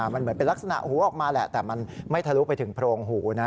มันเหมือนเป็นลักษณะหูออกมาแหละแต่มันไม่ทะลุไปถึงโพรงหูนะ